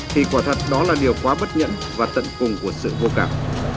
thì quả thật đó là điều quá bất nhận và tận cùng của sự vô cảm